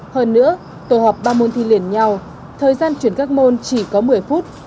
hơn nữa tổ họp ba môn thi liền nhau thời gian chuyển các môn chỉ có một mươi phút